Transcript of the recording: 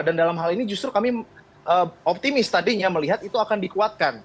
dan dalam hal ini justru kami optimis tadinya melihat itu akan dikuatkan